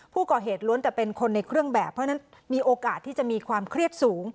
ล้วนแต่เป็นคนในเครื่องแบบเพราะฉะนั้นมีโอกาสที่จะมีความเครียดสูง